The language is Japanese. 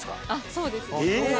そうです。え！